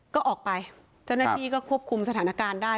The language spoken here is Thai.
ก็ออกไปเจ้าหน้าที่ก็ควบคุมสถานการณ์ได้